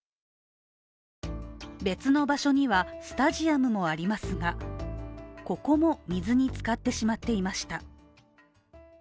別の場所にはスタジアムがありますが、ここも水につかってしまっていました。